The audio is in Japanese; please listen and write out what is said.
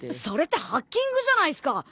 それってハッキングじゃないっすか！